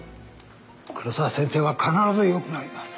黒沢先生は必ずよくなります。